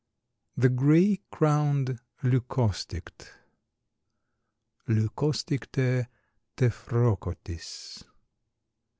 THE GRAY CROWNED LEUCOSTICTE. (_Leucosticte tephrocotis.